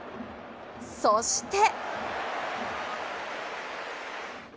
そして。